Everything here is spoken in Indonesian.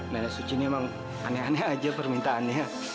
nenek suci ini emang aneh aneh aja permintaannya